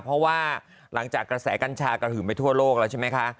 เพราะว่าหลังจากกระแสกัญชากระหึ่มไปทั่วโลกแล้วใช่ไหมคะ